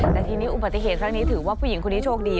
แต่ทีนี้อุบัติเหตุครั้งนี้ถือว่าผู้หญิงคนนี้โชคดี